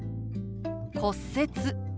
「骨折」。